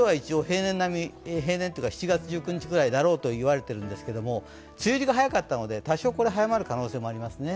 予想では７月１９日ぐらいだろうと言われているんですけど、梅雨入りが早かったので、多少早まる可能性もありますね。